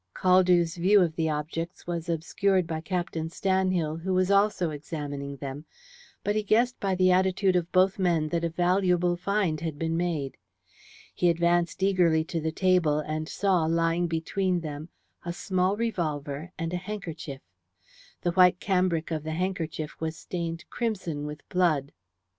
Caldew's view of the objects was obscured by Captain Stanhill, who was also examining them, but he guessed by the attitude of both men that a valuable find had been made. He advanced eagerly to the table and saw, lying between them, a small revolver and a handkerchief. The white cambric of the handkerchief was stained crimson with blood.